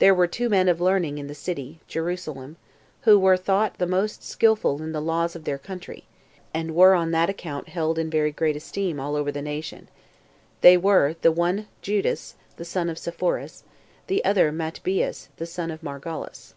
There were two men of learning in the city [Jerusalem,] who were thought the most skillful in the laws of their country, and were on that account had in very great esteem all over the nation; they were, the one Judas, the son of Sepphoris, and the other Matthias, the son of Margalus.